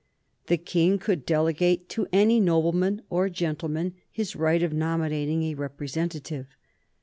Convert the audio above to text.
The King could delegate to any nobleman or gentleman his right of nominating a representative.